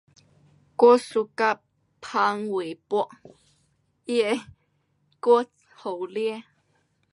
我 suka 潘玮柏，他的歌好听。